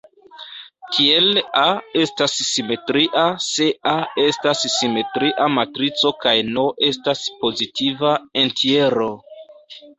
Tiel "A" estas simetria se "A" estas simetria matrico kaj "n" estas pozitiva entjero.